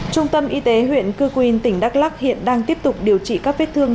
trung tâm y tế huyện cư quyên tỉnh đắk lắc hiện đang tiếp tục điều trị các vết thương